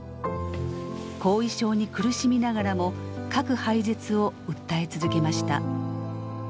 後遺症に苦しみながらも核廃絶を訴え続けました。